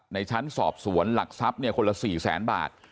ในชั้นสอบสวนหลักทรัพย์คนละ๔แสนบาท